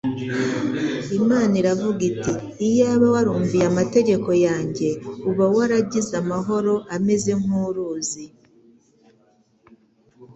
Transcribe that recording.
Imana iravuga iti: "Iyaba warumviye amategeko yanjye uba waragize amahoro ameze nk'uruzi,